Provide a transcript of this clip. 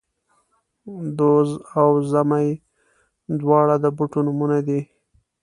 دوز او زمۍ، دواړه د بوټو نومونه دي